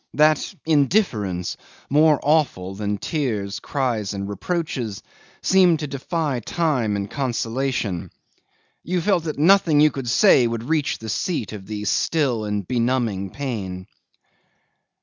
That indifference, more awful than tears, cries, and reproaches, seemed to defy time and consolation. You felt that nothing you could say would reach the seat of the still and benumbing pain.